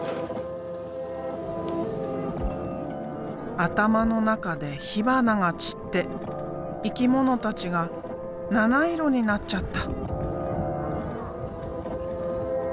頭の中で火花が散って生き物たちが７色になっちゃった。